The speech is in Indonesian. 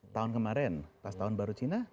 tahun kemarin pas tahun baru cina